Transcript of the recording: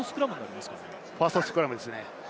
ファーストスクラムですね。